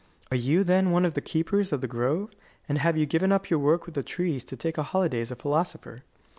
"Are you, then, one of the keepers of the grove? And have you given up your work with the trees to take a holiday as a philosopher?